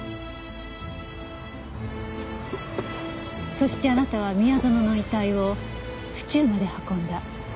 そしてあなたは宮園の遺体を府中まで運んだ。